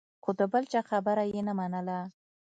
خو د بل چا خبره یې نه منله.